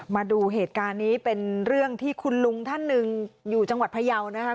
มาดูเหตุการณ์นี้เป็นเรื่องที่คุณลุงท่านหนึ่งอยู่จังหวัดพยาวนะคะ